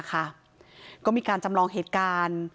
ก็มีการจำลองเหตุการณ์